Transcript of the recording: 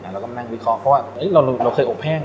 เราก็มานั่งวิเคราะห์เพราะว่าเราเคยอบแห้ง